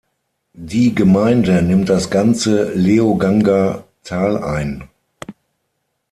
Die Gemeinde nimmt das ganze Leoganger Tal ein.